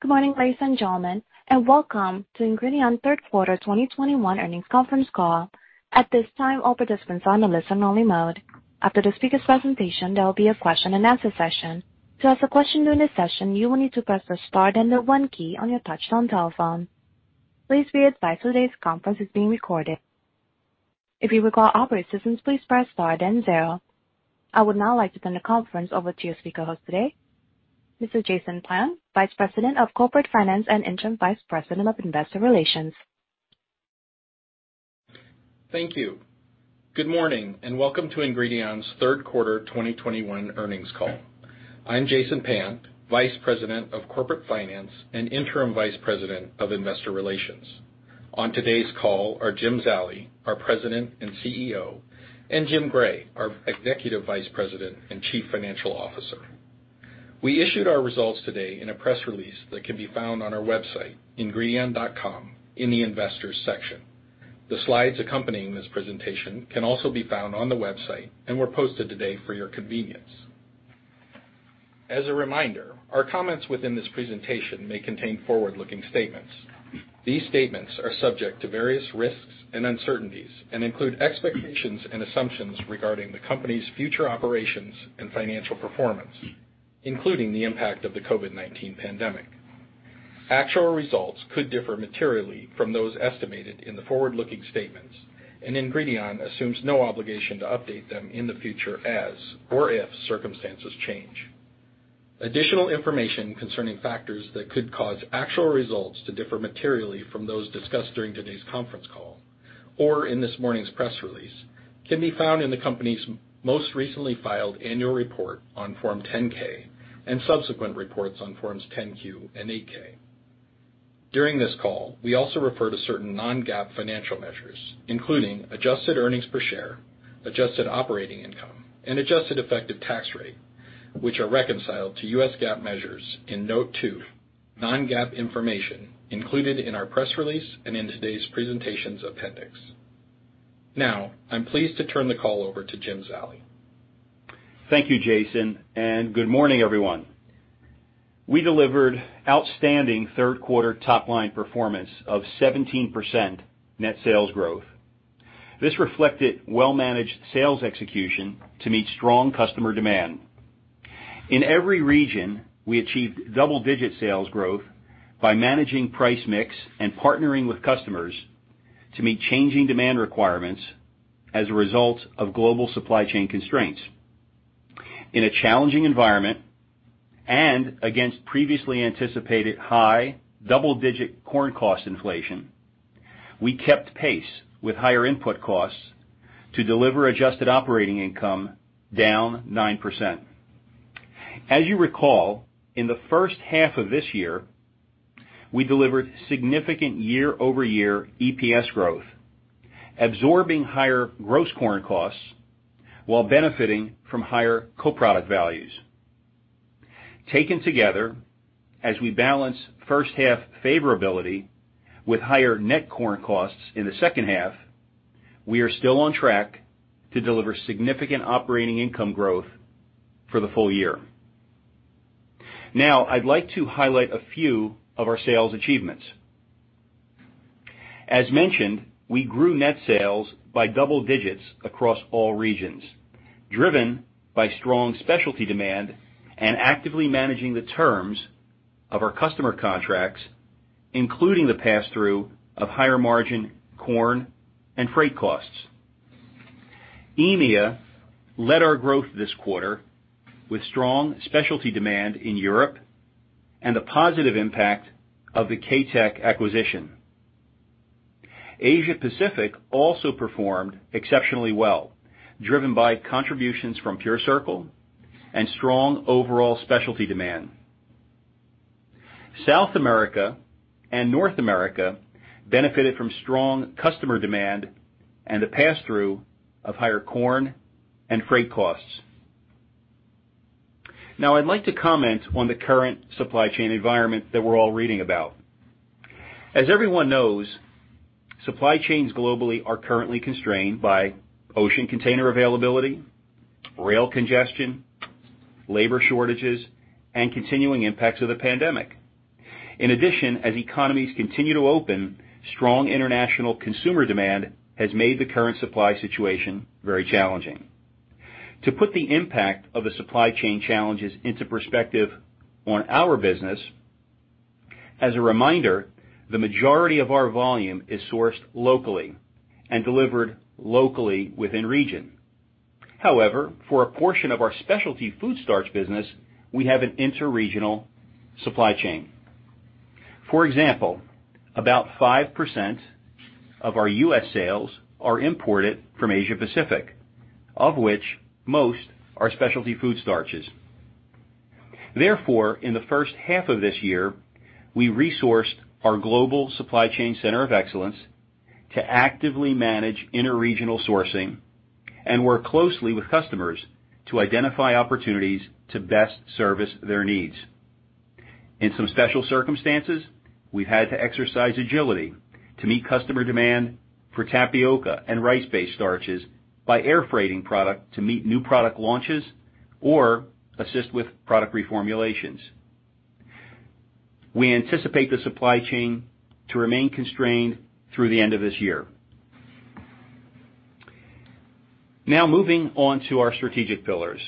Good morning, ladies and gentlemen, and welcome to Ingredion third quarter 2021 earnings conference call. At this time, all participants are on a listen only mode. After the speaker's presentation, there will be a question and answer session. To ask a question during this session, you will need to press the star then the one key on your touchtone telephone. Please be advised today's conference is being recorded. If you require operator assistance, please press star then zero. I would now like to turn the conference over to your speaker host today, Mr. Jason Payant, Vice President of Corporate Finance and Interim Vice President of Investor Relations. Thank you. Good morning and welcome to Ingredion's third quarter 2021 earnings call. I'm Jason Payant, Vice President of Corporate Finance and Interim Vice President of Investor Relations. On today's call are Jim Zallie, our President and CEO, and Jim Gray, our Executive Vice President and Chief Financial Officer. We issued our results today in a press release that can be found on our website, ingredion.com in the investors section. The slides accompanying this presentation can also be found on the website and were posted today for your convenience. As a reminder, our comments within this presentation may contain forward-looking statements. These statements are subject to various risks and uncertainties and include expectations and assumptions regarding the company's future operations and financial performance, including the impact of the COVID-19 pandemic. Actual results could differ materially from those estimated in the forward-looking statements, and Ingredion assumes no obligation to update them in the future as, or if circumstances change. Additional information concerning factors that could cause actual results to differ materially from those discussed during today's conference call or in this morning's press release can be found in the company's most recently filed annual report on Form 10-K and subsequent reports on Forms 10-Q and 8-K. During this call, we also refer to certain non-GAAP financial measures, including adjusted earnings per share, adjusted operating income, and adjusted effective tax rate, which are reconciled to U.S. GAAP measures in note two non-GAAP information included in our press release and in today's presentations appendix. Now, I'm pleased to turn the call over to Jim Zallie. Thank you, Jason, and good morning, everyone. We delivered outstanding third quarter top line performance of 17% net sales growth. This reflected well-managed sales execution to meet strong customer demand. In every region, we achieved double-digit sales growth by managing price mix and partnering with customers to meet changing demand requirements as a result of global supply chain constraints. In a challenging environment and against previously anticipated high double-digit corn cost inflation, we kept pace with higher input costs to deliver adjusted operating income down 9%. As you recall, in the first half of this year, we delivered significant year-over-year EPS growth, absorbing higher gross corn costs while benefiting from higher co-product values. Taken together, as we balance first half favorability with higher net corn costs in the second half, we are still on track to deliver significant operating income growth for the full year. Now, I'd like to highlight a few of our sales achievements. As mentioned, we grew net sales by double digits across all regions, driven by strong specialty demand and actively managing the terms of our customer contracts, including the pass-through of higher margin corn and freight costs. EMEA led our growth this quarter with strong specialty demand in Europe and a positive impact of the KaTech acquisition. Asia-Pacific also performed exceptionally well, driven by contributions from PureCircle and strong overall specialty demand. South America and North America benefited from strong customer demand and the pass-through of higher corn and freight costs. Now, I'd like to comment on the current supply chain environment that we're all reading about. As everyone knows, supply chains globally are currently constrained by ocean container availability, rail congestion, labor shortages, and continuing impacts of the pandemic. In addition, as economies continue to open, strong international consumer demand has made the current supply situation very challenging. To put the impact of the supply chain challenges into perspective on our business, as a reminder, the majority of our volume is sourced locally and delivered locally within region. However, for a portion of our specialty food starch business, we have an inter-regional supply chain. For example, about 5% of our U.S. sales are imported from Asia-Pacific, of which most are specialty food starches. Therefore, in the first half of this year, we resourced our global supply chain center of excellence to actively manage inter-regional sourcing and work closely with customers to identify opportunities to best service their needs. In some special circumstances, we've had to exercise agility to meet customer demand for tapioca and rice-based starches by air freighting product to meet new product launches or assist with product reformulations. We anticipate the supply chain to remain constrained through the end of this year. Now moving on to our strategic pillars.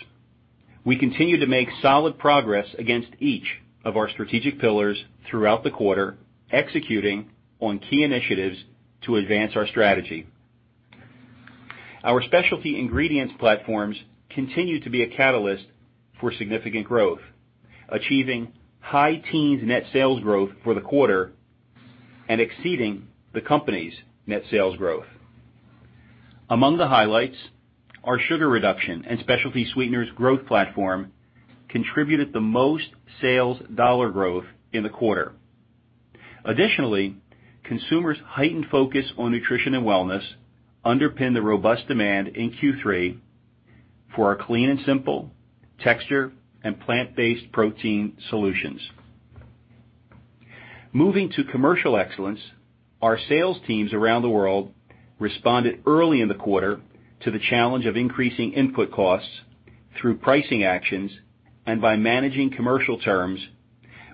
We continue to make solid progress against each of our strategic pillars throughout the quarter, executing on key initiatives to advance our strategy. Our specialty ingredients platforms continue to be a catalyst for significant growth, achieving high teens net sales growth for the quarter and exceeding the company's net sales growth. Among the highlights, our sugar reduction and specialty sweeteners growth platform contributed the most sales dollar growth in the quarter. Additionally, consumers' heightened focus on nutrition and wellness underpin the robust demand in Q3 for our clean and simple texture and plant-based protein solutions. Moving to commercial excellence, our sales teams around the world responded early in the quarter to the challenge of increasing input costs through pricing actions and by managing commercial terms,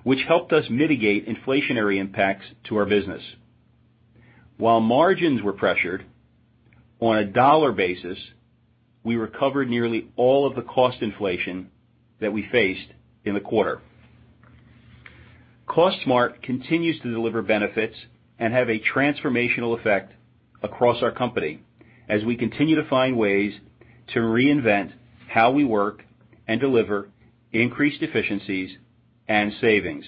which helped us mitigate inflationary impacts to our business. While margins were pressured, on a dollar basis, we recovered nearly all of the cost inflation that we faced in the quarter. Cost Smart continues to deliver benefits and have a transformational effect across our company as we continue to find ways to reinvent how we work and deliver increased efficiencies and savings.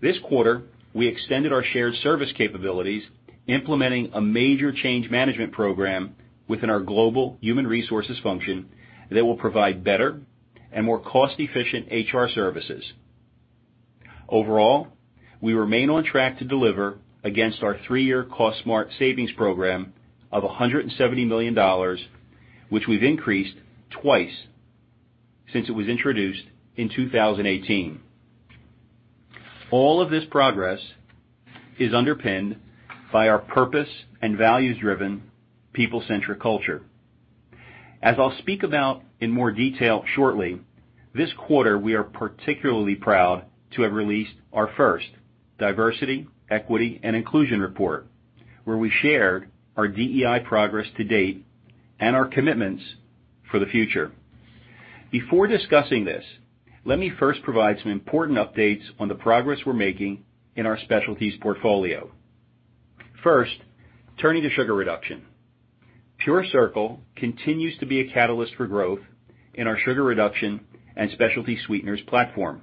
This quarter, we extended our shared service capabilities, implementing a major change management program within our global human resources function that will provide better and more cost-efficient HR services. Overall, we remain on track to deliver against our three-year Cost Smart savings program of $170 million, which we've increased twice since it was introduced in 2018. All of this progress is underpinned by our purpose and values-driven, people-centric culture. As I'll speak about in more detail shortly, this quarter, we are particularly proud to have released our first diversity, equity and inclusion report, where we shared our DEI progress to date and our commitments for the future. Before discussing this, let me first provide some important updates on the progress we're making in our specialties portfolio. First, turning to sugar reduction. PureCircle continues to be a catalyst for growth in our sugar reduction and specialty sweeteners platform.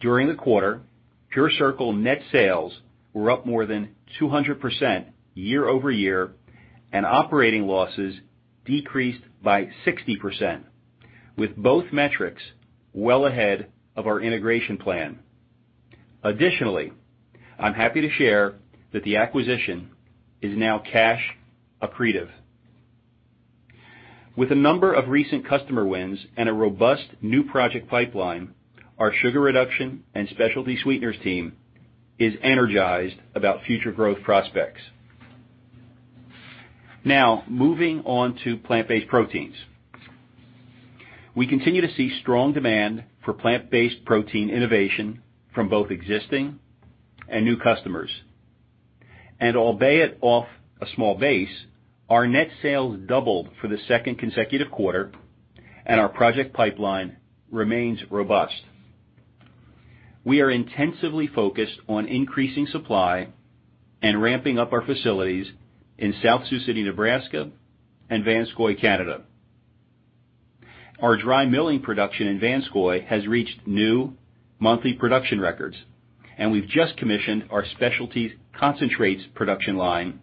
During the quarter, PureCircle net sales were up more than 200% year-over-year, and operating losses decreased by 60%, with both metrics well ahead of our integration plan. Additionally, I'm happy to share that the acquisition is now cash accretive. With a number of recent customer wins and a robust new project pipeline, our sugar reduction and specialty sweeteners team is energized about future growth prospects. Now moving on to plant-based proteins. We continue to see strong demand for plant-based protein innovation from both existing and new customers. Albeit off a small base, our net sales doubled for the second consecutive quarter, and our project pipeline remains robust. We are intensively focused on increasing supply and ramping up our facilities in South Sioux City, Nebraska, and Vanscoy, Canada. Our dry milling production in Vanscoy has reached new monthly production records, and we've just commissioned our specialties concentrates production line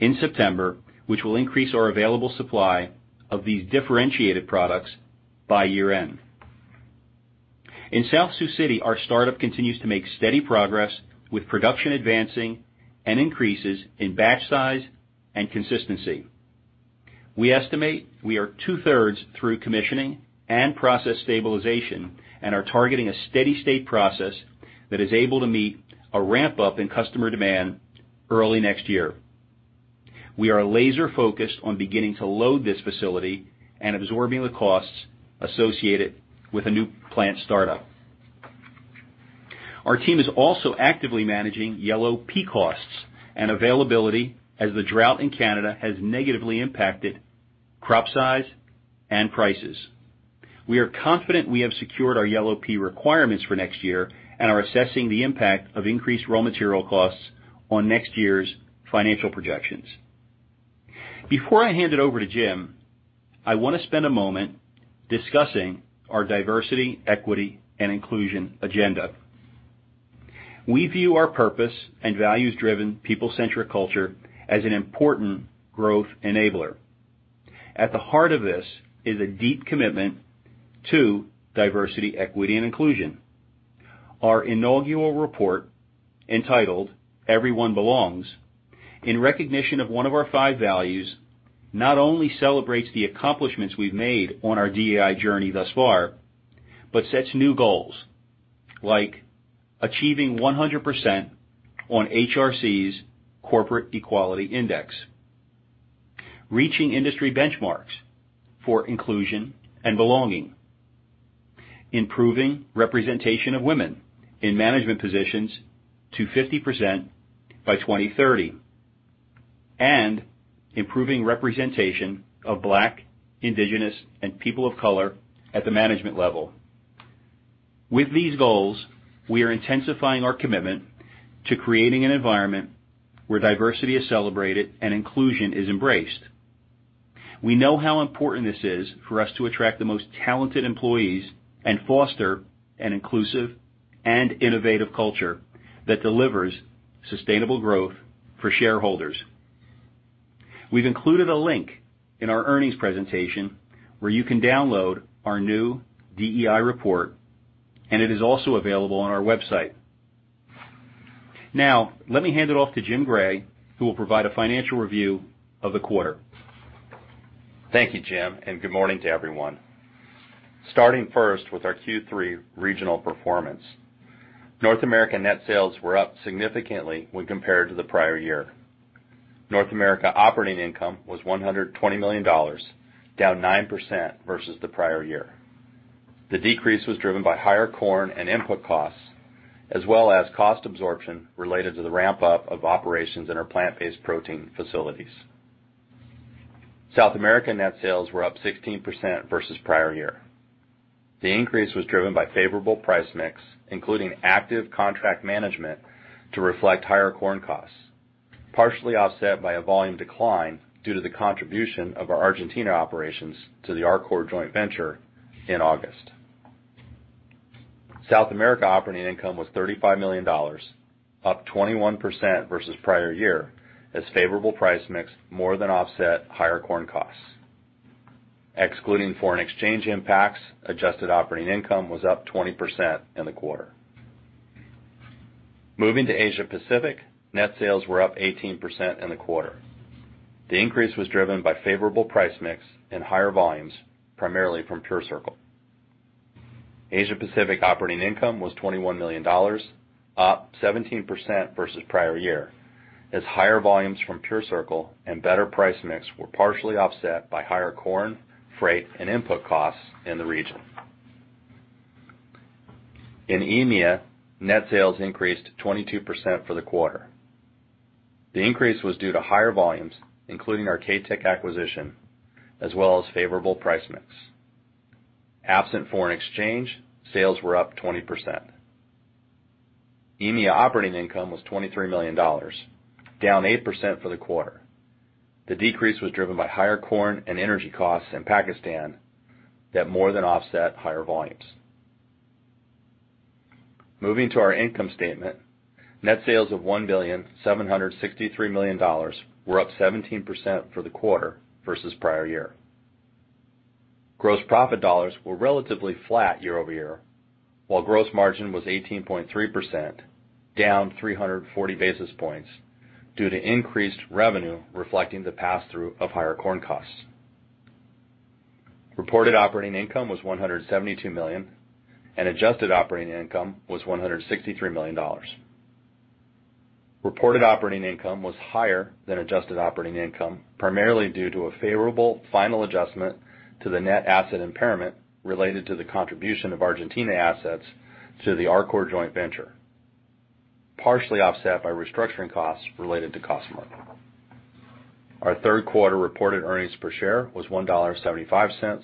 in September, which will increase our available supply of these differentiated products by year-end. In South Sioux City, our startup continues to make steady progress with production advancing and increases in batch size and consistency. We estimate we are two-thirds through commissioning and process stabilization and are targeting a steady state process that is able to meet a ramp up in customer demand early next year. We are laser-focused on beginning to load this facility and absorbing the costs associated with a new plant startup. Our team is also actively managing yellow pea costs and availability as the drought in Canada has negatively impacted crop size and prices. We are confident we have secured our yellow pea requirements for next year and are assessing the impact of increased raw material costs on next year's financial projections. Before I hand it over to Jim, I want to spend a moment discussing our diversity, equity, and inclusion agenda. We view our purpose and values-driven, people-centric culture as an important growth enabler. At the heart of this is a deep commitment to diversity, equity, and inclusion. Our inaugural report, entitled Everyone Belongs, in recognition of one of our five values, not only celebrates the accomplishments we've made on our DEI journey thus far, but sets new goals like achieving 100% on HRC's Corporate Equality Index, reaching industry benchmarks for inclusion and belonging, improving representation of women in management positions to 50% by 2030, and improving representation of Black, Indigenous, and people of color at the management level. With these goals, we are intensifying our commitment to creating an environment where diversity is celebrated and inclusion is embraced. We know how important this is for us to attract the most talented employees and foster an inclusive and innovative culture that delivers sustainable growth for shareholders. We've included a link in our earnings presentation where you can download our new DEI report, and it is also available on our website. Now, let me hand it off to Jim Gray, who will provide a financial review of the quarter. Thank you, Jim, and good morning to everyone. Starting first with our Q3 regional performance. North America net sales were up significantly when compared to the prior year. North America operating income was $120 million, down 9% versus the prior year. The decrease was driven by higher corn and input costs as well as cost absorption related to the ramp-up of operations in our plant-based protein facilities. South America net sales were up 16% versus prior year. The increase was driven by favorable price mix, including active contract management to reflect higher corn costs, partially offset by a volume decline due to the contribution of our Argentina operations to the Arcor joint venture in August. South America operating income was $35 million, up 21% versus prior year as favorable price mix more than offset higher corn costs. Excluding foreign exchange impacts, adjusted operating income was up 20% in the quarter. Moving to Asia Pacific, net sales were up 18% in the quarter. The increase was driven by favorable price mix and higher volumes, primarily from PureCircle. Asia Pacific operating income was $21 million, up 17% versus prior year, as higher volumes from PureCircle and better price mix were partially offset by higher corn, freight, and input costs in the region. In EMEA, net sales increased 22% for the quarter. The increase was due to higher volumes, including our KaTech acquisition, as well as favorable price mix. Absent foreign exchange, sales were up 20%. EMEA operating income was $23 million, down 8% for the quarter. The decrease was driven by higher corn and energy costs in Pakistan that more than offset higher volumes. Moving to our income statement, net sales of $1,763 million were up 17% for the quarter versus prior year. Gross profit dollars were relatively flat year over year, while gross margin was 18.3%, down 340 basis points due to increased revenue reflecting the pass-through of higher corn costs. Reported operating income was $172 million, and adjusted operating income was $163 million. Reported operating income was higher than adjusted operating income, primarily due to a favorable final adjustment to the net asset impairment related to the contribution of Argentina assets to the Arcor joint venture, partially offset by restructuring costs related to Cost Smart. Our third quarter reported earnings per share was $1.75,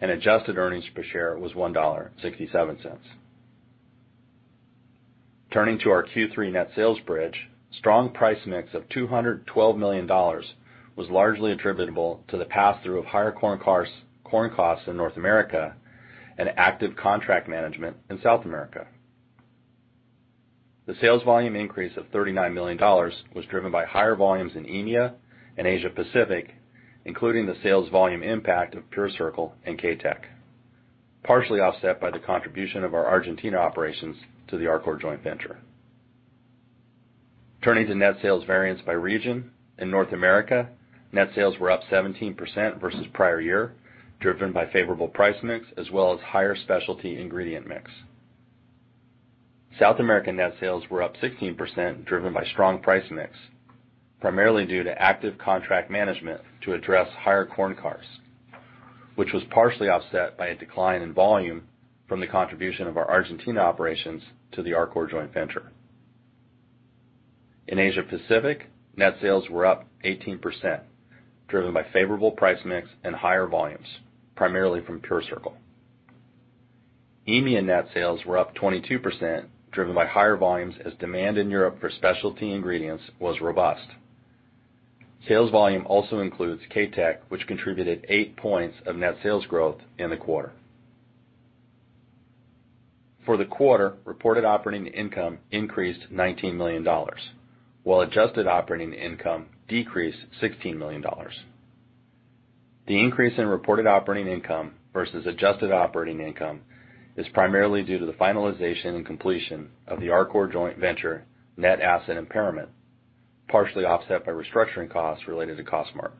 and adjusted earnings per share was $1.67. Turning to our Q3 net sales bridge, strong price mix of $212 million was largely attributable to the pass-through of higher corn costs in North America and active contract management in South America. The sales volume increase of $39 million was driven by higher volumes in EMEA and Asia Pacific, including the sales volume impact of PureCircle and KaTech, partially offset by the contribution of our Argentina operations to the Arcor joint venture. Turning to net sales variance by region, in North America, net sales were up 17% versus prior year, driven by favorable price mix as well as higher specialty ingredient mix. South America net sales were up 16%, driven by strong price mix, primarily due to active contract management to address higher corn costs, which was partially offset by a decline in volume from the contribution of our Argentina operations to the Arcor joint venture. In Asia Pacific, net sales were up 18%, driven by favorable price mix and higher volumes, primarily from PureCircle. EMEA net sales were up 22%, driven by higher volumes as demand in Europe for specialty ingredients was robust. Sales volume also includes KaTech, which contributed eight points of net sales growth in the quarter. For the quarter, reported operating income increased $19 million, while adjusted operating income decreased $16 million. The increase in reported operating income versus adjusted operating income is primarily due to the finalization and completion of the Arcor joint venture net asset impairment, partially offset by restructuring costs related to Cost Smart.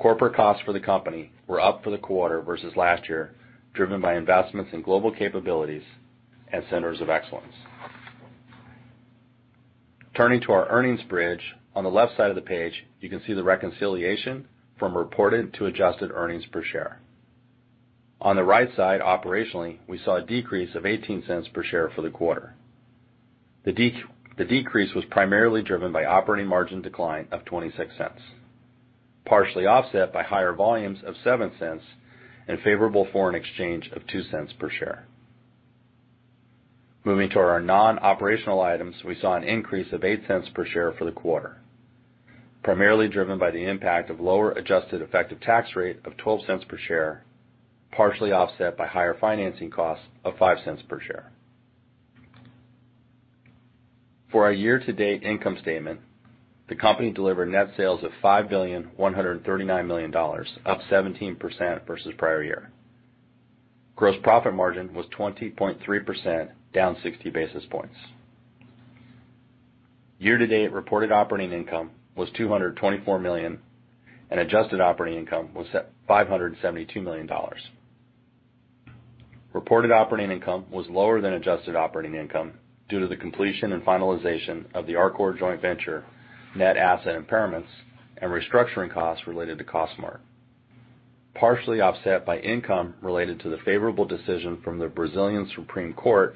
Corporate costs for the company were up for the quarter versus last year, driven by investments in global capabilities and centers of excellence. Turning to our earnings bridge. On the left side of the page, you can see the reconciliation from reported to adjusted earnings per share. On the right side, operationally, we saw a decrease of $0.18 per share for the quarter. The decrease was primarily driven by operating margin decline of $0.26, partially offset by higher volumes of $0.07 and favorable foreign exchange of $0.02 per share. Moving to our non-operating items, we saw an increase of $0.08 per share for the quarter, primarily driven by the impact of lower adjusted effective tax rate of $0.12 per share, partially offset by higher financing costs of $0.05 per share. For our year-to-date income statement, the company delivered net sales of $5.139 billion, up 17% versus prior year. Gross profit margin was 20.3%, down 60 basis points. Year-to-date reported operating income was $224 million, and adjusted operating income was at $572 million. Reported operating income was lower than adjusted operating income due to the completion and finalization of the Arcor joint venture net asset impairments and restructuring costs related to Cost Smart, partially offset by income related to the favorable decision from the Brazilian Supreme Court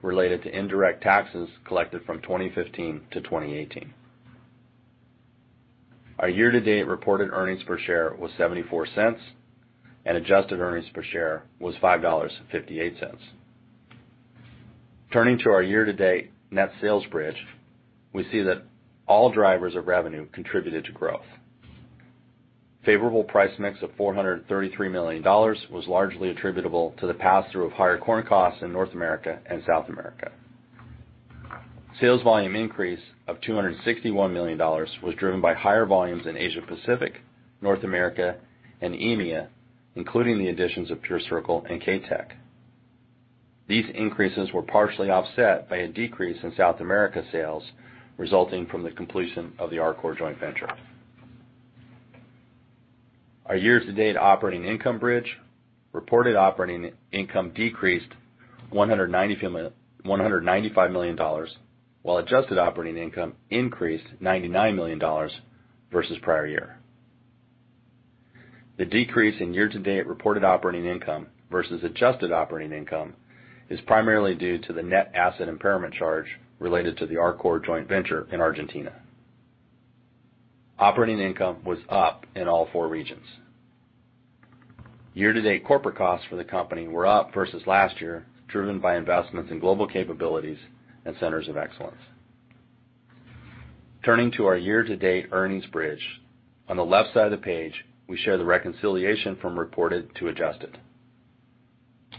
related to indirect taxes collected from 2015-2018. Our year-to-date reported earnings per share was $0.74, and adjusted earnings per share was $5.58. Turning to our year-to-date net sales bridge, we see that all drivers of revenue contributed to growth. Favorable price mix of $433 million was largely attributable to the pass-through of higher corn costs in North America and South America. Sales volume increase of $261 million was driven by higher volumes in Asia Pacific, North America, and EMEA, including the additions of PureCircle and KaTech. These increases were partially offset by a decrease in South America sales resulting from the completion of the Arcor joint venture. Our year-to-date operating income bridge. Reported operating income decreased $195 million, while adjusted operating income increased $99 million versus prior year. The decrease in year-to-date reported operating income versus adjusted operating income is primarily due to the net asset impairment charge related to the Arcor joint venture in Argentina. Operating income was up in all four regions. Year-to-date corporate costs for the company were up versus last year, driven by investments in global capabilities and centers of excellence. Turning to our year-to-date earnings bridge. On the left side of the page, we share the reconciliation from reported to adjusted.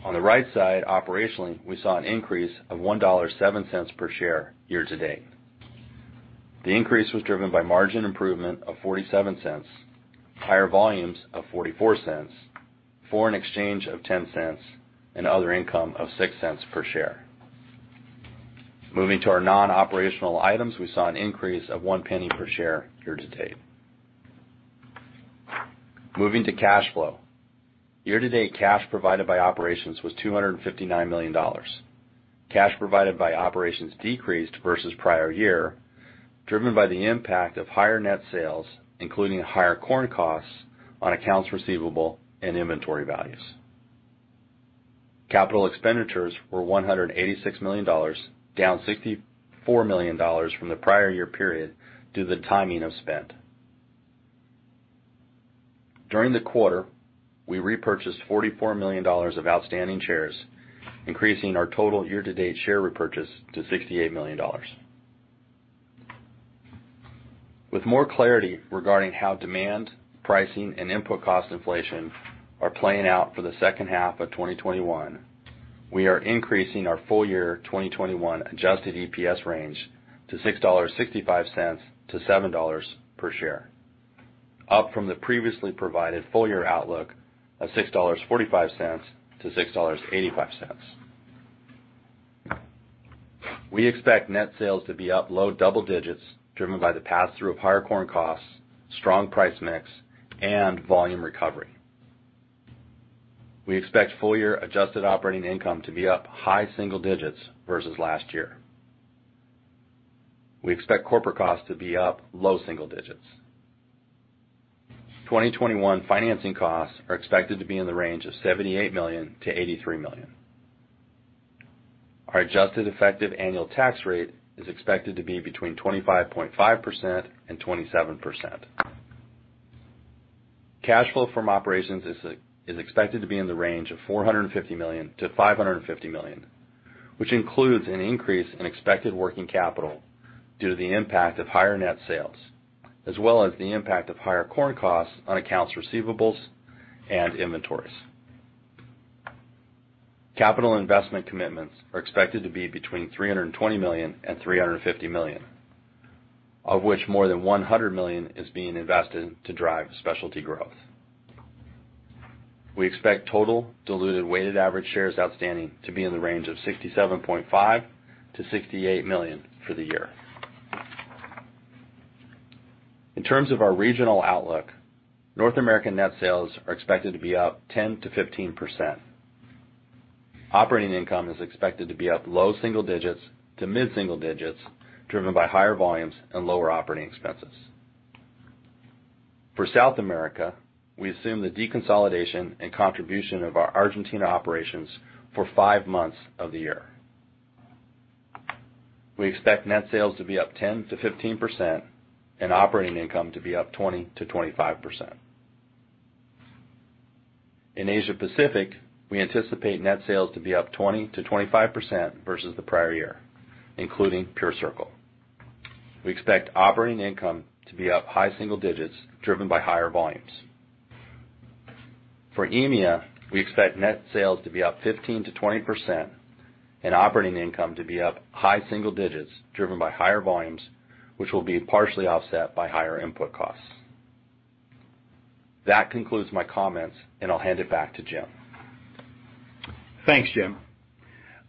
On the right side, operationally, we saw an increase of $1.07 per share year-to-date. The increase was driven by margin improvement of $0.47, higher volumes of $0.44, foreign exchange of $0.10, and other income of $0.06 per share. Moving to our non-operational items, we saw an increase of $0.01 per share year-to-date. Moving to cash flow. Year-to-date cash provided by operations was $259 million. Cash provided by operations decreased versus prior year, driven by the impact of higher net sales, including higher corn costs on accounts receivable and inventory values. Capital expenditures were $186 million, down $64 million from the prior year period due to the timing of spend. During the quarter, we repurchased $44 million of outstanding shares, increasing our total year-to-date share repurchase to $68 million. With more clarity regarding how demand, pricing, and input cost inflation are playing out for the second half of 2021, we are increasing our full-year 2021 adjusted EPS range to $6.65-$7 per share, up from the previously provided full-year outlook of $6.45-$6.85. We expect net sales to be up low double digits driven by the pass-through of higher corn costs, strong price mix, and volume recovery. We expect full-year adjusted operating income to be up high single digits versus last year. We expect corporate costs to be up low single digits. 2021 financing costs are expected to be in the range of $78 million-$83 million. Our adjusted effective annual tax rate is expected to be between 25.5% and 27%. Cash flow from operations is expected to be in the range of $450 million-$550 million, which includes an increase in expected working capital due to the impact of higher net sales, as well as the impact of higher corn costs on accounts receivables and inventories. Capital investment commitments are expected to be between $320 million and $350 million, of which more than $100 million is being invested to drive specialty growth. We expect total diluted weighted average shares outstanding to be in the range of 67.5million-68 million for the year. In terms of our regional outlook, North American net sales are expected to be up 10%-15%. Operating income is expected to be up low single digits% to mid-single digits%, driven by higher volumes and lower operating expenses. For South America, we assume the deconsolidation and contribution of our Argentina operations for five months of the year. We expect net sales to be up 10%-15% and operating income to be up 20%-25%. In Asia Pacific, we anticipate net sales to be up 20%-25% versus the prior year, including PureCircle. We expect operating income to be up high single digits driven by higher volumes. For EMEA, we expect net sales to be up 15%-20% and operating income to be up high single digits driven by higher volumes, which will be partially offset by higher input costs. That concludes my comments, and I'll hand it back to Jim. Thanks, Jim.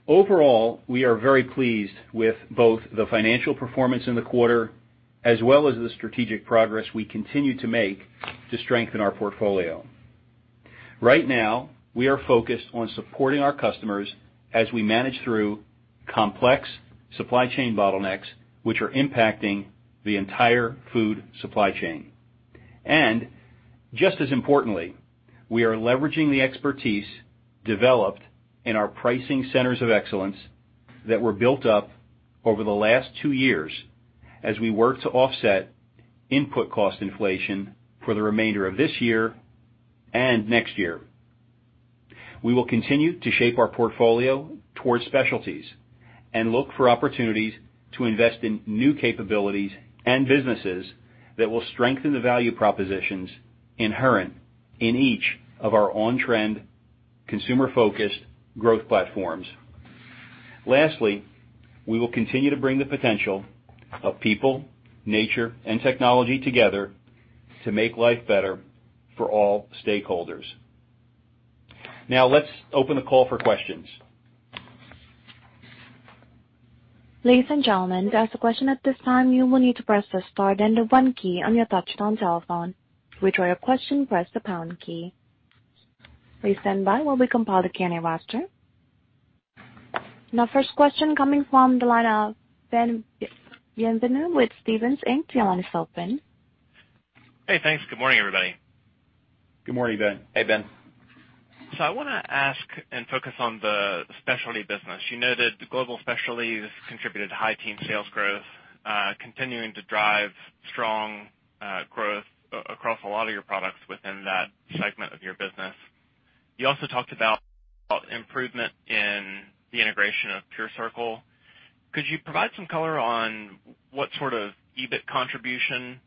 Overall, we are very pleased with both the financial performance in the quarter as well as the strategic progress we continue to make to strengthen our portfolio. Right now, we are focused on supporting our customers as we manage through complex supply chain bottlenecks, which are impacting the entire food supply chain. Just as importantly, we are leveraging the expertise developed in our pricing centers of excellence that were built up over the last two years as we work to offset input cost inflation for the remainder of this year and next year. We will continue to shape our portfolio towards specialties and look for opportunities to invest in new capabilities and businesses that will strengthen the value propositions inherent in each of our on-trend consumer-focused growth platforms. Lastly, we will continue to bring the potential of people, nature, and technology together to make life better for all stakeholders. Now let's open the call for questions. Ladies and gentlemen, to ask a question at this time, you will need to press the star then the one key on your touchtone telephone. To withdraw your question, press the pound key. Please stand by while we compile the question roster. Now, first question coming from the line of Ben Bienvenu with Stephens Inc. Your line is open. Hey, thanks. Good morning, everybody. Good morning, Ben. Hey, Ben. I wanna ask and focus on the specialty business. You noted the global specialties contributed to high teen sales growth, continuing to drive strong growth across a lot of your products within that segment of your business. You also talked about improvement in the integration of PureCircle. Could you provide some color on what sort of EBIT contribution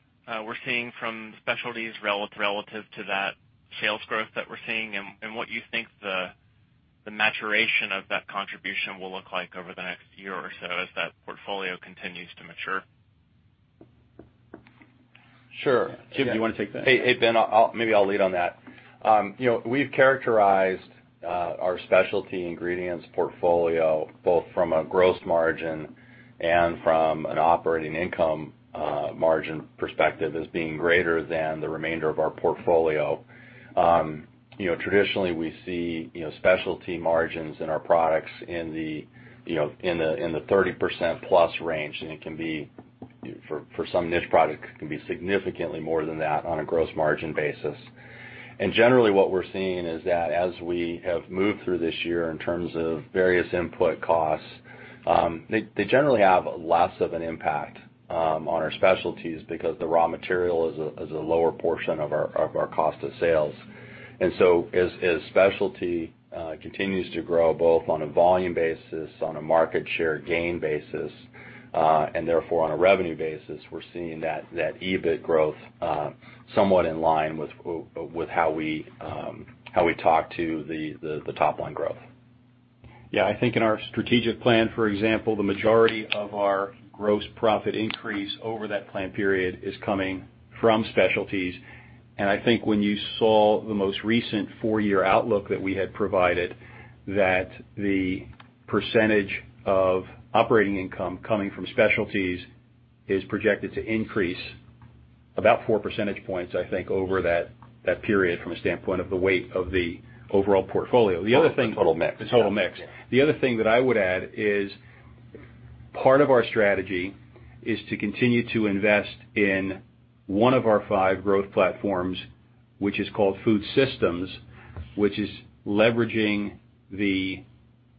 we're seeing from specialties relative to that sales growth that we're seeing and what you think the maturation of that contribution will look like over the next year or so as that portfolio continues to mature? Sure. Jim, do you wanna take that? Hey, Ben, maybe I'll lead on that. You know, we've characterized our specialty ingredients portfolio both from a gross margin and from an operating income margin perspective as being greater than the remainder of our portfolio. You know, traditionally, we see specialty margins in our products in the 30% plus range, and it can be, for some niche products, significantly more than that on a gross margin basis. Generally, what we're seeing is that as we have moved through this year in terms of various input costs, they generally have less of an impact on our specialties because the raw material is a lower portion of our cost of sales. As specialty continues to grow both on a volume basis, on a market share gain basis, and therefore on a revenue basis, we're seeing that EBIT growth somewhat in line with how we talk to the top line growth. Yeah. I think in our strategic plan, for example, the majority of our gross profit increase over that plan period is coming from specialties. I think when you saw the most recent four-year outlook that we had provided, that the percentage of operating income coming from specialties is projected to increase about four percentage points, I think, over that period from a standpoint of the weight of the overall portfolio. The other thing. The total mix. The total mix. The other thing that I would add is part of our strategy is to continue to invest in one of our five growth platforms, which is called Food Systems, which is leveraging the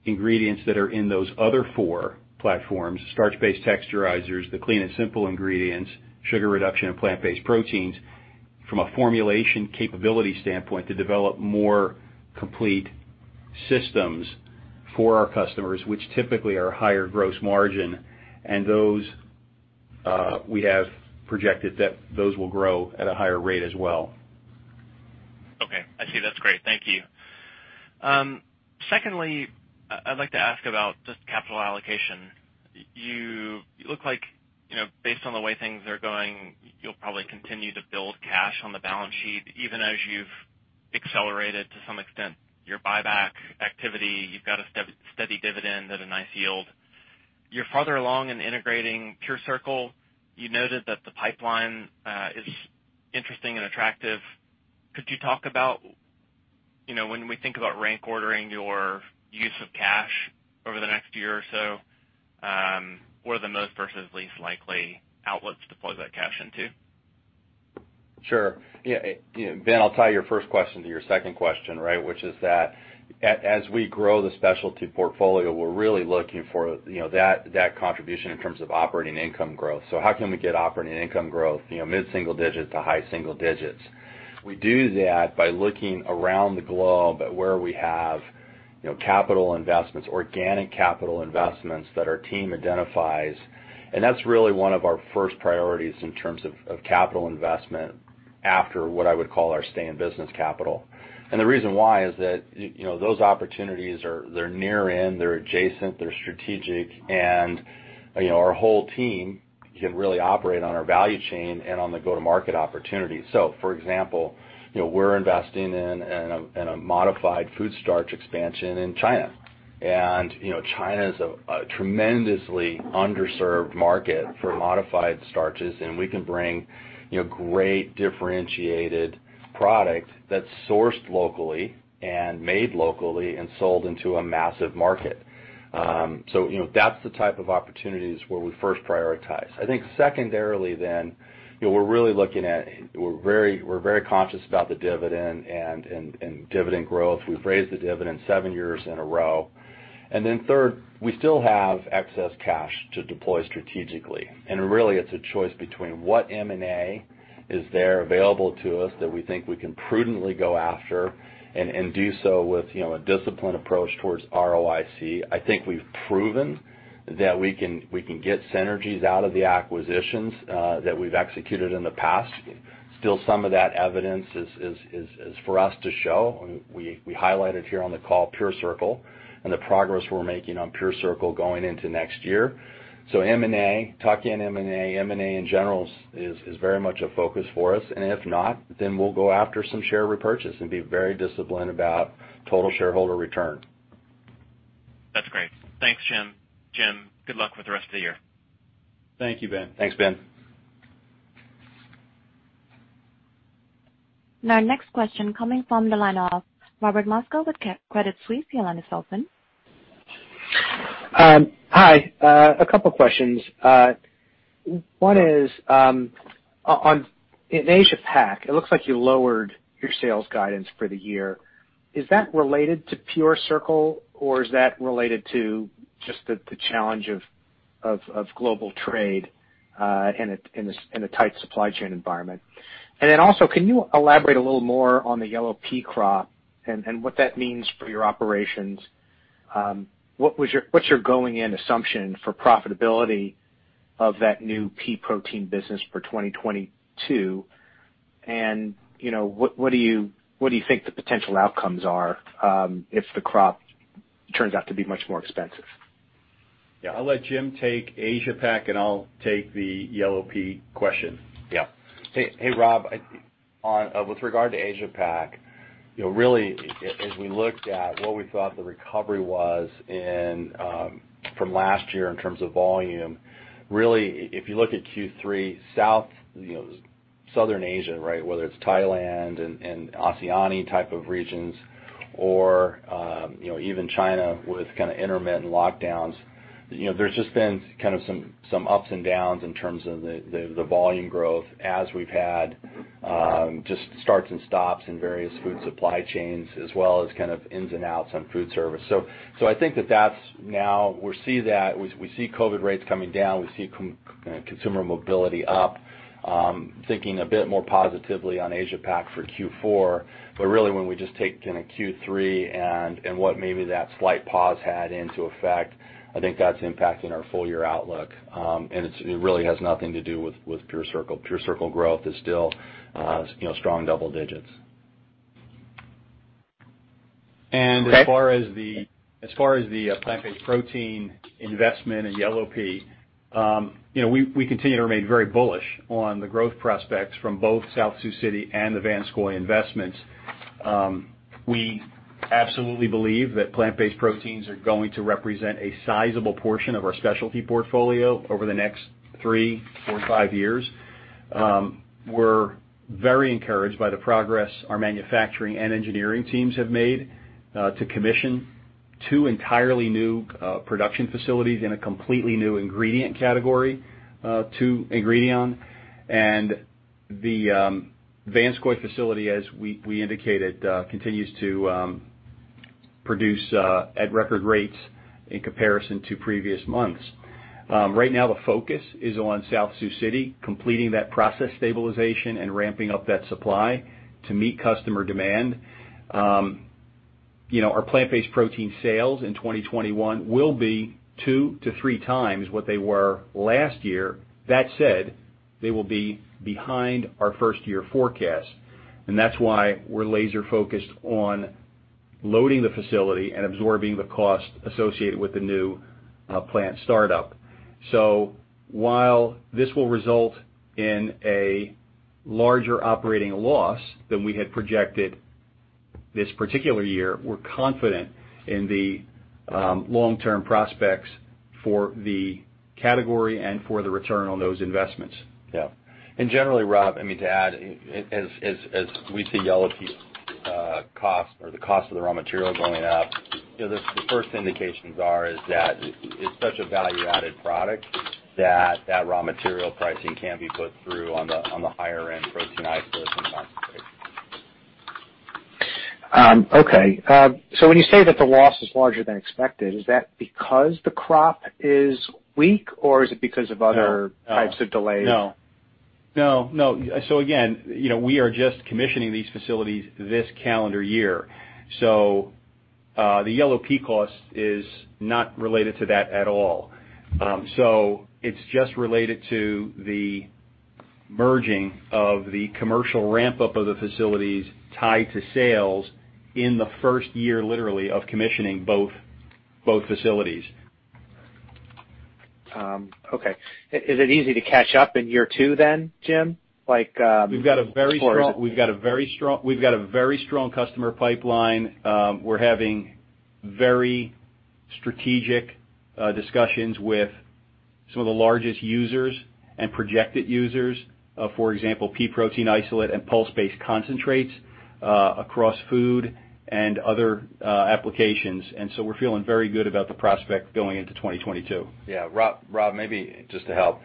ingredients that are in those other four platforms, starch-based texturizers, the clean and simple ingredients, sugar reduction, and plant-based proteins, from a formulation capability standpoint to develop more complete systems for our customers, which typically are higher gross margin. Those, we have projected that those will grow at a higher rate as well. Okay. I see. That's great. Thank you. Secondly, I'd like to ask about just capital allocation. You look like, based on the way things are going, you'll probably continue to build cash on the balance sheet, even as you've accelerated to some extent your buyback activity. You've got a steady dividend at a nice yield. You're farther along in integrating PureCircle. You noted that the pipeline is interesting and attractive. Could you talk about, when we think about rank ordering your use of cash over the next year or so, what are the most versus least likely outlets to plug that cash into? Sure. Yeah, Ben, I'll tie your first question to your second question, right? Which is that as we grow the specialty portfolio, we're really looking for, you know, that contribution in terms of operating income growth. How can we get operating income growth, you know, mid-single-digit to high-single-digit? We do that by looking around the globe at where we have, you know, capital investments, organic capital investments that our team identifies. That's really one of our first priorities in terms of capital investment after what I would call our stay in business capital. The reason why is that, you know, those opportunities are—they're near-term, they're adjacent, they're strategic, and, you know, our whole team can really operate on our value chain and on the go-to-market opportunity. For example, you know, we're investing in a modified food starch expansion in China. You know, China is a tremendously underserved market for modified starches, and we can bring, you know, great differentiated product that's sourced locally and made locally and sold into a massive market. You know, that's the type of opportunities where we first prioritize. I think secondarily then, you know, we're very conscious about the dividend and dividend growth. We've raised the dividend seven years in a row. Third, we still have excess cash to deploy strategically. Really, it's a choice between what M&A is there available to us that we think we can prudently go after and do so with, you know, a disciplined approach towards ROIC. I think we've proven that we can get synergies out of the acquisitions that we've executed in the past. Still some of that evidence is for us to show. We highlighted here on the call PureCircle and the progress we're making on PureCircle going into next year. M&A, tuck-in M&A, M&A in general is very much a focus for us. If not, then we'll go after some share repurchase and be very disciplined about total shareholder return. That's great. Thanks, Jim. Jim, good luck with the rest of the year. Thank you, Ben. Thanks, Ben. Now next question coming from the line of Robert Moskow with Credit Suisse. Your line is open. Hi. A couple of questions. One is, in Asia-Pac, it looks like you lowered your sales guidance for the year. Is that related to PureCircle, or is that related to just the challenge of global trade in a tight supply chain environment? And then also, can you elaborate a little more on the yellow pea crop and what that means for your operations? What's your going in assumption for profitability of that new pea protein business for 2022? And, you know, what do you think the potential outcomes are, if the crop turns out to be much more expensive? Yeah. I'll let Jim take Asia-Pac, and I'll take the yellow pea question. Yeah. Hey, Rob, with regard to Asia-Pac, you know, really, as we looked at what we thought the recovery was in from last year in terms of volume, really, if you look at Q3 South, you know, southern Asia, right? Whether it's Thailand and Oceania type of regions or, you know, even China with kind of intermittent lockdowns. You know, there's just been kind of some ups and downs in terms of the volume growth as we've had just starts and stops in various food supply chains as well as kind of ins and outs on food service. So I think that's what we see now. We see COVID rates coming down. We see consumer mobility up, thinking a bit more positively on Asia-Pac for Q4. Really, when we just take kinda Q3 and what maybe that slight pause had in effect, I think that's impacting our full year outlook. It really has nothing to do with PureCircle. PureCircle growth is still, you know, strong double digits. As far as the plant-based protein investment in yellow pea, you know, we continue to remain very bullish on the growth prospects from both South Sioux City and the Vanscoy investments. We absolutely believe that plant-based proteins are going to represent a sizable portion of our specialty portfolio over the next three, four, five years. We're very encouraged by the progress our manufacturing and engineering teams have made to commission two entirely new production facilities in a completely new ingredient category to Ingredion. The Vanscoy facility, as we indicated, continues to produce at record rates in comparison to previous months. Right now the focus is on South Sioux City, completing that process stabilization and ramping up that supply to meet customer demand. You know, our plant-based protein sales in 2021 will be two to three times what they were last year. That said, we They will be behind our first year forecast, and that's why we're laser focused on loading the facility and absorbing the cost associated with the new plant startup. While this will result in a larger operating loss than we had projected this particular year, we're confident in the long-term prospects for the category and for the return on those investments. Yeah. Generally, Rob, I mean to add, as we see yellow pea cost or the cost of the raw material going up, you know, the first indications are that it's such a value-added product that raw material pricing can be put through on the higher end protein isolate in the marketplace. Okay. When you say that the loss is larger than expected, is that because the crop is weak, or is it because of other? No. What types of delays? No, no. Again, you know, we are just commissioning these facilities this calendar year. The yellow pea cost is not related to that at all. It's just related to the margin of the commercial ramp-up of the facilities tied to sales in the first year, literally, of commissioning both facilities. Okay. Is it easy to catch up in year two then, Jim? Like, or is it? We've got a very strong customer pipeline. We're having very strategic discussions with some of the largest users and projected users, for example, pea protein isolate and pulse-based concentrates, across food and other applications. We're feeling very good about the prospect going into 2022. Yeah. Robert, maybe just to help.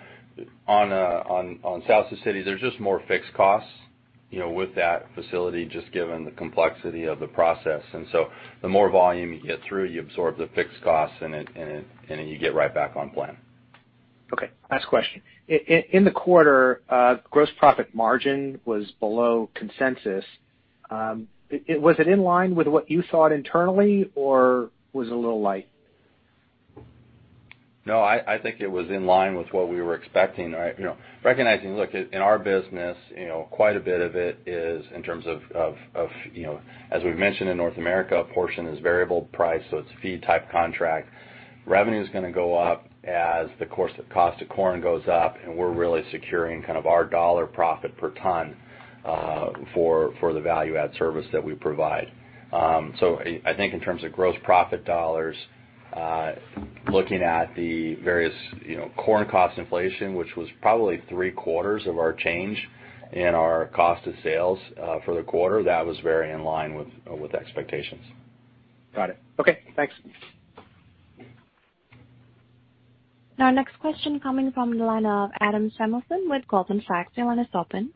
On South Sioux City, there's just more fixed costs, you know, with that facility just given the complexity of the process. The more volume you get through, you absorb the fixed costs and you get right back on plan. Okay. Last question. In the quarter, gross profit margin was below consensus. Was it in line with what you thought internally, or was it a little light? No, I think it was in line with what we were expecting. Right. You know, recognizing, look, in our business, you know, quite a bit of it is in terms of, you know, as we've mentioned in North America, a portion is variable price, so it's a feed type contract. Revenue is gonna go up as the cost of corn goes up, and we're really securing kind of our dollar profit per ton, for the value-add service that we provide. So I think in terms of gross profit dollars, looking at the various, you know, corn cost inflation, which was probably three quarters of our change in our cost of sales, for the quarter, that was very in line with expectations. Got it. Okay, thanks. Our next question coming from the line of Adam Samuelson with Goldman Sachs. Your line is open.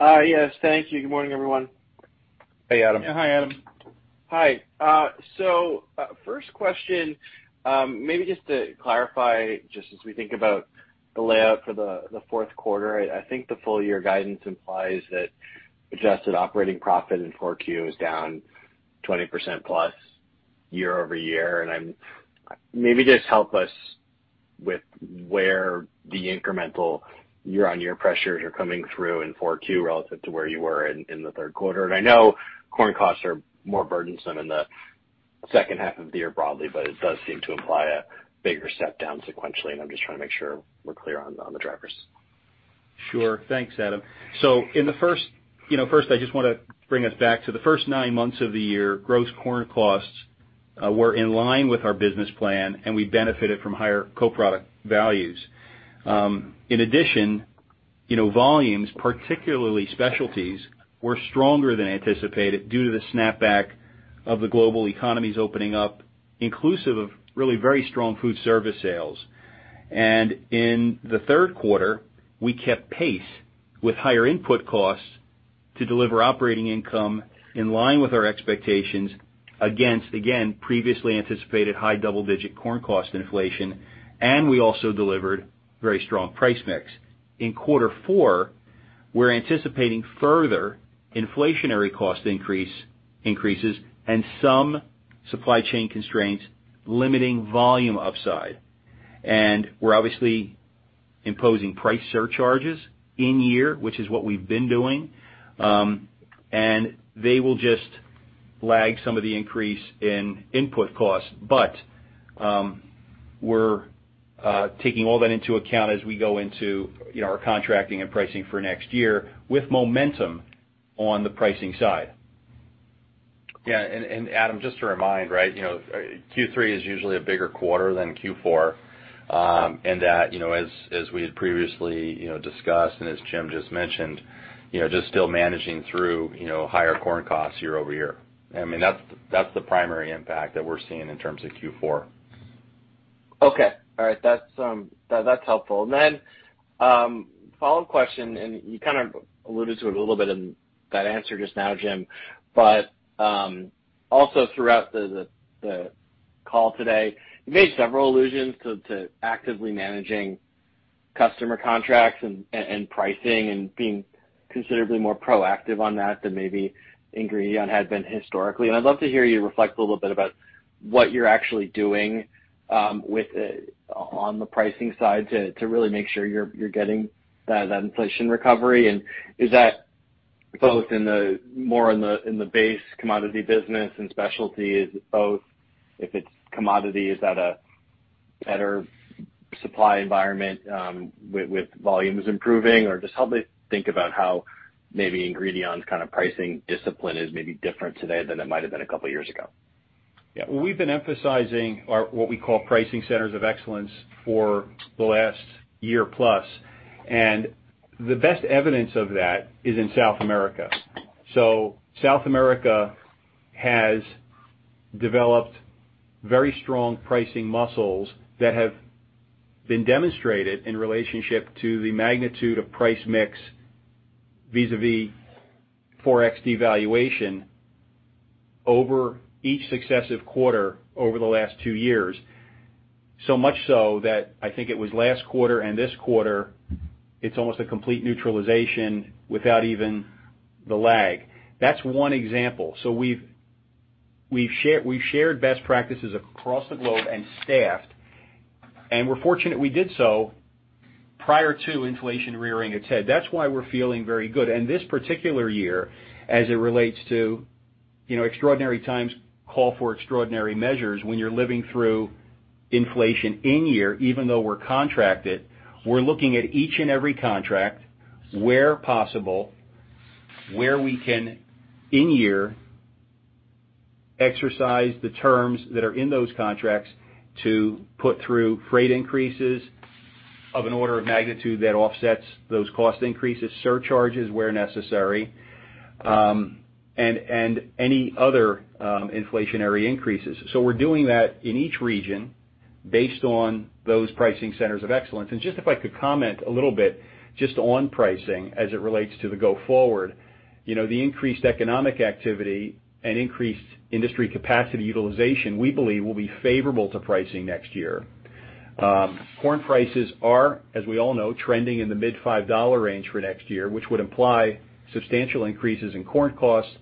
Yes, thank you. Good morning, everyone. Hey, Adam. Hi, Adam. Hi. So, first question, maybe just to clarify, just as we think about the outlook for the fourth quarter. I think the full year guidance implies that adjusted operating profit in Q4 is down 20%+ year-over-year. Maybe just help us with where the incremental year-on-year pressures are coming through in Q4 relative to where you were in the third quarter. I know corn costs are more burdensome in the second half of the year broadly, but it does seem to imply a bigger step down sequentially, and I'm just trying to make sure we're clear on the drivers. Sure. Thanks, Adam. In the first, you know, first, I just wanna bring us back to the first nine months of the year. Gross corn costs were in line with our business plan, and we benefited from higher co-product values. In addition, you know, volumes, particularly specialties, were stronger than anticipated due to the snapback of the global economies opening up, inclusive of really very strong food service sales. In the third quarter, we kept pace with higher input costs to deliver operating income in line with our expectations against, again, previously anticipated high double-digit corn cost inflation, and we also delivered very strong price mix. In quarter four, we're anticipating further inflationary cost increases and some supply chain constraints limiting volume upside. We're obviously imposing price surcharges in year, which is what we've been doing. They will just lag some of the increase in input costs. We're taking all that into account as we go into, you know, our contracting and pricing for next year with momentum on the pricing side. Adam, just to remind, right, you know, Q3 is usually a bigger quarter than Q4. That, you know, as we had previously, you know, discussed and as Jim just mentioned, you know, just still managing through, you know, higher corn costs year-over-year. I mean, that's the primary impact that we're seeing in terms of Q4. Okay. All right. That's helpful. Follow-up question, and you kind of alluded to it a little bit in that answer just now, Jim. Also throughout the call today, you made several allusions to actively managing customer contracts and pricing and being considerably more proactive on that than maybe Ingredion had been historically. I'd love to hear you reflect a little bit about what you're actually doing on the pricing side to really make sure you're getting that inflation recovery. Is that both in the base commodity business and specialty, is it both? If it's commodity, is that a better supply environment with volumes improving? Just help me think about how maybe Ingredion's kind of pricing discipline is maybe different today than it might have been a couple years ago. Yeah. We've been emphasizing our what we call pricing centers of excellence for the last year plus. The best evidence of that is in South America. South America has developed very strong pricing muscles that have been demonstrated in relationship to the magnitude of price mix vis-a-vis Forex devaluation over each successive quarter over the last two years. So much so that I think it was last quarter and this quarter, it's almost a complete neutralization without even the lag. That's one example. We've shared best practices across the globe and staffed, and we're fortunate we did so prior to inflation rearing its head. That's why we're feeling very good. This particular year, as it relates to, you know, extraordinary times call for extraordinary measures. When you're living through inflation in year, even though we're contracted, we're looking at each and every contract where possible, where we can, in year, exercise the terms that are in those contracts to put through freight increases of an order of magnitude that offsets those cost increases, surcharges where necessary, and any other inflationary increases. We're doing that in each region based on those pricing centers of excellence. Just if I could comment a little bit just on pricing as it relates to the go forward. You know, the increased economic activity and increased industry capacity utilization, we believe, will be favorable to pricing next year. Corn prices are, as we all know, trending in the mid $5 range for next year, which would imply substantial increases in corn costs,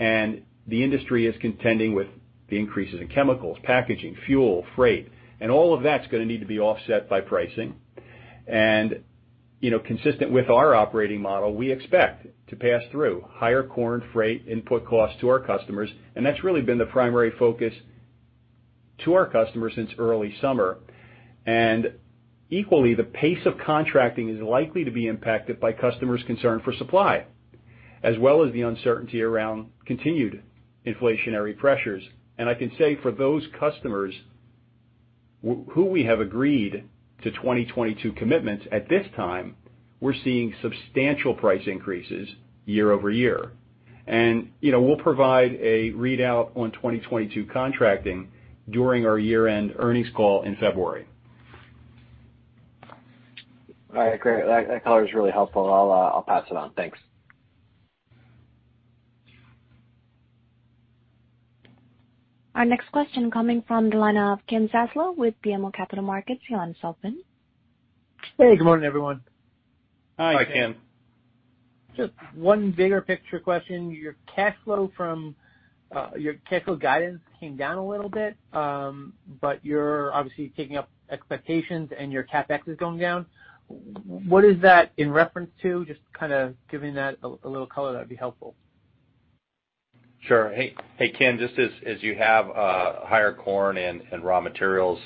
and the industry is contending with the increases in chemicals, packaging, fuel, freight. All of that's gonna need to be offset by pricing. You know, consistent with our operating model, we expect to pass through higher corn freight input costs to our customers, and that's really been the primary focus to our customers since early summer. Equally, the pace of contracting is likely to be impacted by customers' concern for supply, as well as the uncertainty around continued inflationary pressures. I can say for those customers who we have agreed to 2022 commitments, at this time, we're seeing substantial price increases year-over-year. You know, we'll provide a readout on 2022 contracting during our year-end earnings call in February. All right. Great. That color is really helpful. I'll pass it on. Thanks. Our next question coming from the line of Ken Zaslow with BMO Capital Markets. Your line's open. Hey, good morning, everyone. Hi, Ken. Hi, Ken. Just one bigger picture question. Your cash flow from your cash flow guidance came down a little bit. You're obviously taking up expectations and your CapEx is going down. What is that in reference to? Just kinda giving that a little color, that'd be helpful. Sure. Hey, Ken, just as you have higher corn and raw materials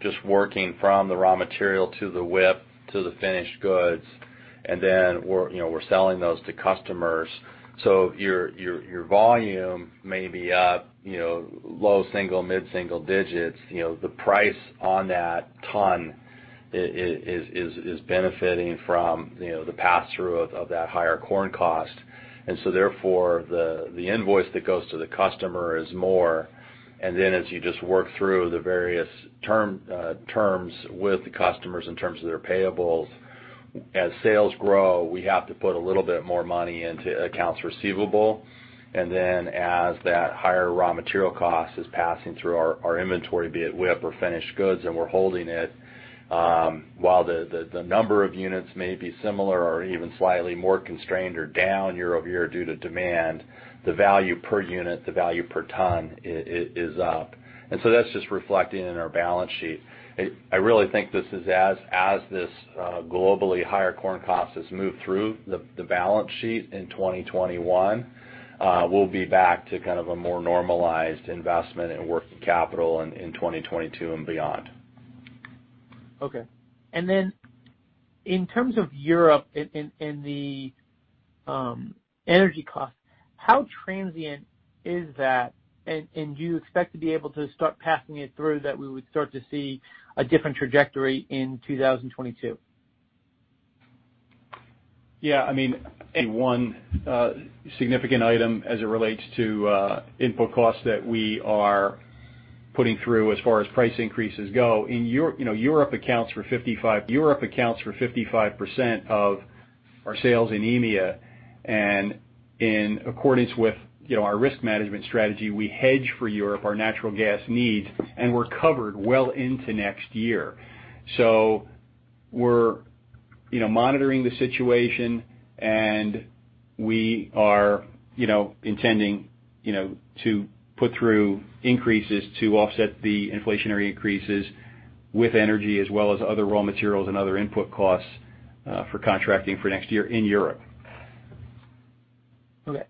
just working from the raw material to the WIP to the finished goods, and then we're, you know, selling those to customers. Your volume may be up, you know, low-single, mid-single digits. You know, the price on that ton is benefiting from, you know, the pass-through of that higher corn cost. Therefore, the invoice that goes to the customer is more. Then as you just work through the various terms with the customers in terms of their payables, as sales grow, we have to put a little bit more money into accounts receivable. As that higher raw material cost is passing through our inventory, be it WIP or finished goods, and we're holding it, while the number of units may be similar or even slightly more constrained or down year over year due to demand, the value per unit, the value per ton is up. That's just reflecting in our balance sheet. I really think this is as this globally higher corn cost has moved through the balance sheet in 2021, we'll be back to kind of a more normalized investment in working capital in 2022 and beyond. Okay. In terms of Europe and the energy costs, how transient is that? Do you expect to be able to start passing it through that we would start to see a different trajectory in 2022? Yeah, I mean, one significant item as it relates to input costs that we are putting through as far as price increases go. You know, Europe accounts for 55% of our sales in EMEA. In accordance with, you know, our risk management strategy, we hedge for Europe our natural gas needs, and we're covered well into next year. We're, you know, monitoring the situation, and we are, you know, intending, you know, to put through increases to offset the inflationary increases with energy as well as other raw materials and other input costs for contracting for next year in Europe. Okay.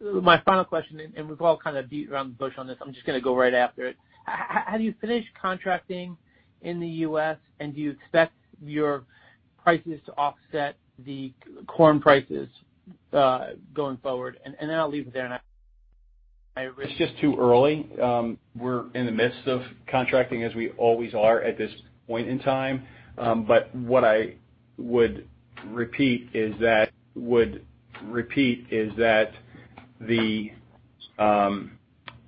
My final question, we've all kind of beat around the bush on this, I'm just gonna go right after it. Have you finished contracting in the U.S., and do you expect your prices to offset the corn prices going forward? I'll leave it there and I. It's just too early. We're in the midst of contracting as we always are at this point in time. What I would repeat is that the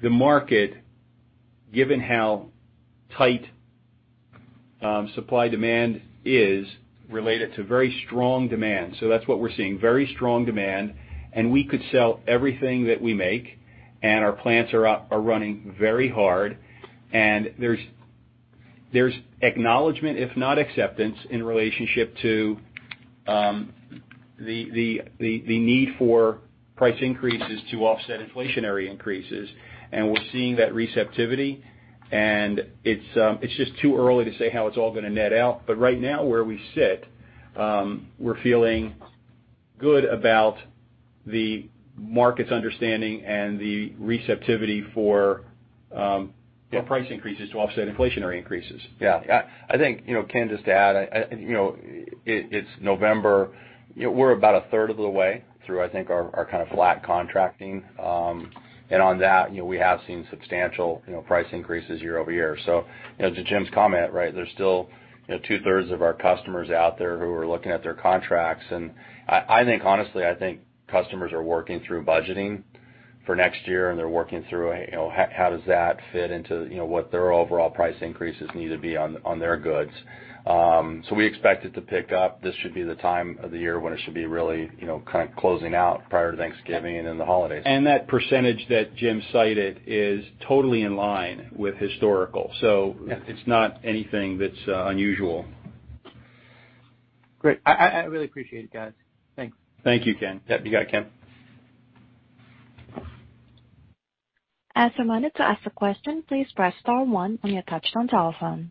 market, given how tight supply-demand is related to very strong demand. That's what we're seeing, very strong demand, and we could sell everything that we make, and our plants are running very hard. There's acknowledgment, if not acceptance, in relation to the need for price increases to offset inflationary increases. We're seeing that receptivity, and it's just too early to say how it's all gonna net out. Right now, where we sit, we're feeling good about the market's understanding and the receptivity for price increases to offset inflationary increases. Yeah. I think, you know, Ken, just to add, you know, it's November. You know, we're about a third of the way through, I think, our kind of flat contracting. And on that, you know, we have seen substantial, you know, price increases year-over-year. So, you know, to Jim's comment, right, there's still, you know, two-thirds of our customers out there who are looking at their contracts. And I think, honestly, customers are working through budgeting for next year and they're working through, you know, how does that fit into, you know, what their overall price increases need to be on their goods. So we expect it to pick up. This should be the time of the year when it should be really, you know, kind of closing out prior to Thanksgiving and the holidays. That percentage that Jim cited is totally in line with historical. It's not anything that's unusual. Great. I really appreciate it, guys. Thanks. Thank you, Ken. Yep, you got it, Ken. As a reminder, to ask a question, please press star one on your touchtone telephone.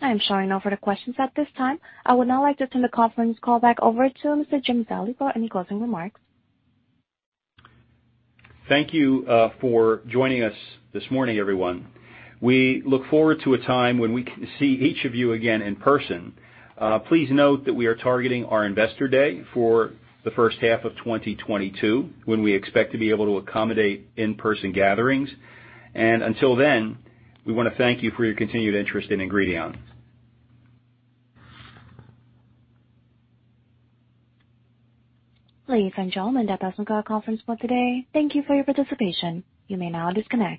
I am showing no further questions at this time. I would now like to turn the conference call back over to Mr. Jim Zallie for any closing remarks. Thank you for joining us this morning, everyone. We look forward to a time when we can see each of you again in person. Please note that we are targeting our Investor Day for the first half of 2022, when we expect to be able to accommodate in-person gatherings. Until then, we wanna thank you for your continued interest in Ingredion. Ladies and gentlemen, that does end our conference call today. Thank you for your participation. You may now disconnect.